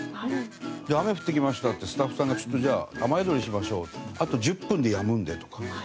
で「雨降ってきました」ってスタッフさんが「ちょっとじゃあ雨宿りしましょうあと１０分でやむんで」とか。